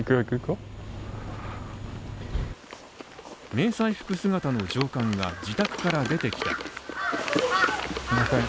迷彩服姿の上官が自宅から出てきた。